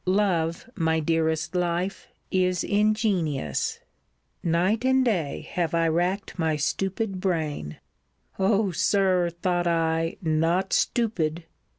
Love, my dearest life, is ingenious. Night and day have I racked my stupid brain [O Sir, thought I, not stupid!